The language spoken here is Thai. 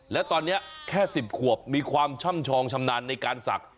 และตอนนี้แค่๑๐ขวบมีความช่ำชองชำนาญในการศักดิ